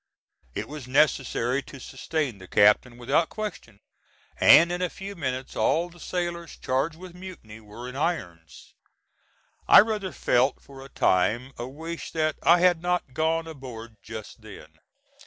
It was necessary to sustain the captain without question, and in a few minutes all the sailors charged with mutiny were in irons. I rather felt for a time a wish that I had not gone aboard just then.